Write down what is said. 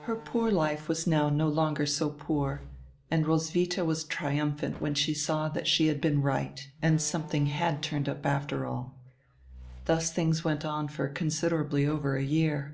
Her poor life was now no longer so poor, and Roswitiia was triumphant when she saw that she had been right and something had turned up after all. Thus tilings went on for considerably over a year.